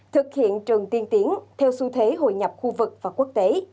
thực hiện trường tiên tiến theo xu thế hội nhập khu vực và quốc tế